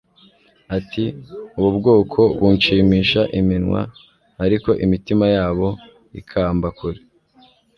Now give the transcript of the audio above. ati : "Ubu bwoko bunshimisha iminwa, ariko imitima yabo ikamba kure.